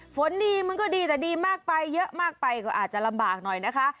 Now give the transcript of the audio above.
ฝนดีมันก็ดีแต่ดีมากไปเยอะมากไปก็อาจจะลำบากหน่อยนะคะ